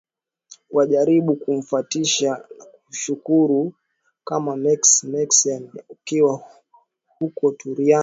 wajaribu kumfuatisha nakushukuru sana mex mexime ukiwa huko turiani